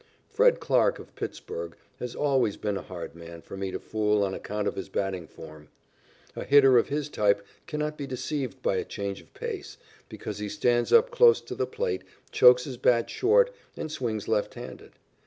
Fred Clarke, of Pittsburg, has always been a hard man for me to fool on account of his batting form. A hitter of his type cannot be deceived by a change of pace, because he stands up close to the plate, chokes his bat short, and swings left handed.